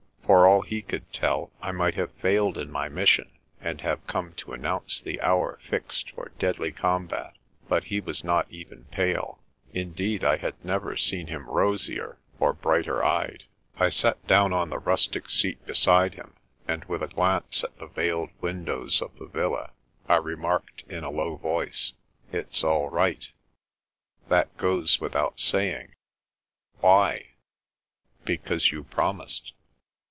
For all he could tell, I might have failed in my mission, and have come to announce the hour fixed for deadly combat; but he was not even pale. Indeed, I had never seen him rosier, or brighter eyed. I sat down on the rustic seat beside him, and with a glance at the veiled windows of the villa, I re marked in a low voice, " It's all right" " That goes without sa3ring." "Why?" " Because you promised."